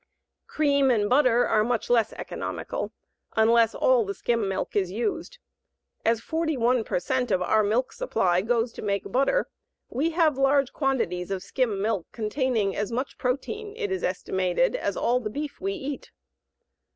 Cream and butter are much less economical unless all the skim milk is used. As 41 per cent of our milk supply goes to make butter, we have large quantities of skim milk containing as much protein, it is estimated, as all the beef we eat.